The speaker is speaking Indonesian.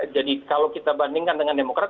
jadi kalau kita bandingkan dengan demokrat